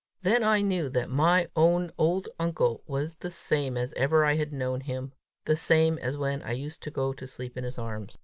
Then I knew that my own old uncle was the same as ever I had known him, the same as when I used to go to sleep in his arms.